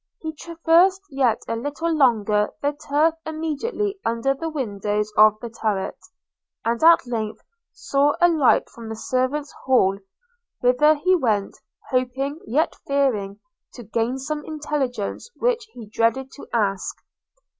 – He traversed yet a little longer the turf immediately under the windows of the turret; and at length saw a light from the servant's' hall, whither he went, hoping, yet fearing, to gain some intelligence which he dreaded to ask.